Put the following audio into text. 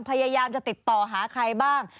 พยายามจะติดต่อหาใครบ้าง